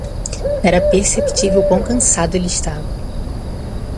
Era perceptível o quão cansado ele estava.